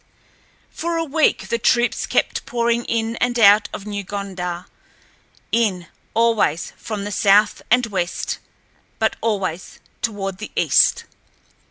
For a week the troops kept pouring in and out of New Gondar—in, always, from the south and west, but always toward the east.